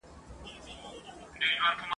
چي په قسمت کی دي ازل سهار لیکلی نه دی ..